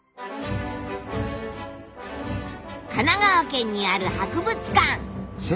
神奈川県にある博物館。